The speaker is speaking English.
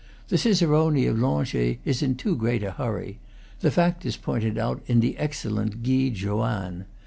The cicerone of Langeais is in too great a hurry; the fact is pointed out in the excellent Guide Joanne.